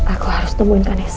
aku harus temuin kak nessa